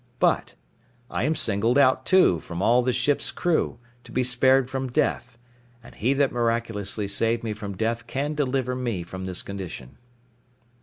But I am singled out, too, from all the ship's crew, to be spared from death; and He that miraculously saved me from death can deliver me from this condition.